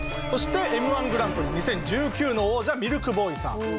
そしてＭ−１グランプリ２０１９の王者ミルクボーイさん。